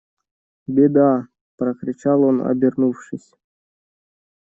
Беда! – прокричал он обернувшись.